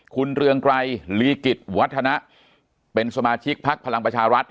คุณเรืองไกรลีกิจวัฒนะเป็นสมาชิกพักพลังประชารัฐ